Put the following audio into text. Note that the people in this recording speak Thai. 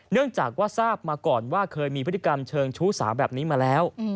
เนื่องจากว่าทราบมาก่อนว่าเคยมีพฤติกรรมเชิงชู้สาวแบบนี้มาแล้ว